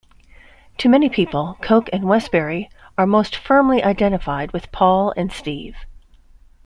To many people, Coke and Westbury are most firmly identified with Paul and Steve.